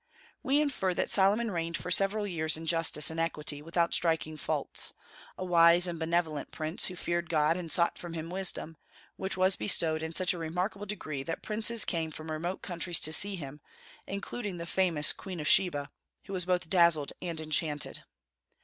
We infer that Solomon reigned for several years in justice and equity, without striking faults, a wise and benevolent prince, who feared God and sought from him wisdom, which was bestowed in such a remarkable degree that princes came from remote countries to see him, including the famous Queen of Sheba, who was both dazzled and enchanted.